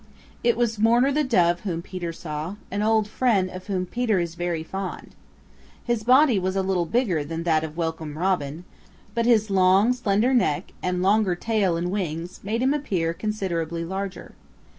It was Mourner the Dove whom Peter saw, an old friend of whom Peter is very fond. His body was a little bigger than that of Welcome Robin, but his long slender neck, and longer tail and wings made him appear considerably larger.